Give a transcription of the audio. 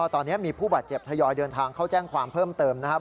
ตอนนี้มีผู้บาดเจ็บทยอยเดินทางเข้าแจ้งความเพิ่มเติมนะครับ